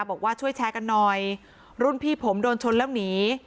บอกว่าช่วยแชร์กันหน่อยรุ่นพี่ผมโดนชนแล้วหนี